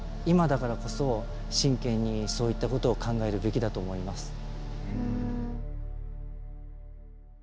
今だからこそ真剣にそういったことを考えるべきだと思います。